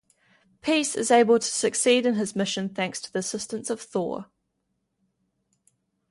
Peace is able to succeed in his mission thanks to the assistance of Thor.